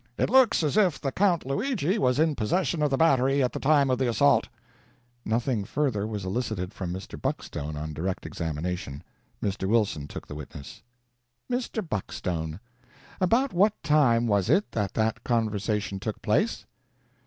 "It looks as if the Count Luigi was in possession of the battery at the time of the assault." Nothing further was elicited from Mr. Buckstone on direct examination. Mr. Wilson took the witness. "Mr. Buckstone, about what time was it that that conversation took place?"